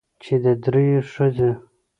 چې د درېو ښځې